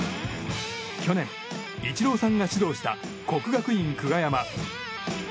去年、イチローさんが指導した国学院久我山。